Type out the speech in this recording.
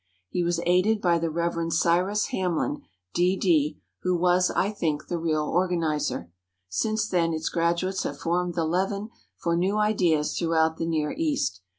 He was aided by the Reverend Cyrus Hamlin, D.D., who was, I think, the real organizer. Since then its graduates have formed the leaven for new ideas throughout the Near East.